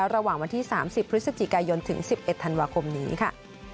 ระหว่างวันที่๓๐พฤศจิกายนถึง๑๑ธันวาคมนี้ค่ะ